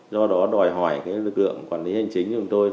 do đó đòi hỏi lực lượng quản lý hành chính của chúng tôi